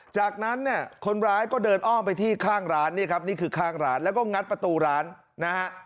จากนั้นเนี่ยคนร้ายก็เดินอ้อมไปที่ข้างร้านนี่ครับนี่คือข้างร้านแล้วก็งัดประตูร้านนะฮะ